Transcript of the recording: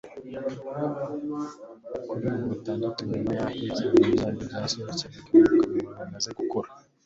kuri bitandatu Nyuma yaho ibyana byacyo byasohokeraga mu kanwa bimaze gukura